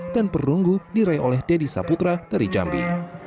perunggu diraih oleh deddy saputra dari jambi